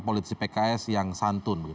politisi pks yang santun